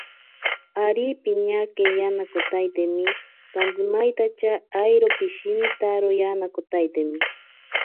Ari piñaki yanakotaitemi, kantsimaintacha airo pishinitaro yanakotaitemi.